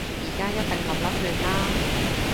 而家一定立立亂啦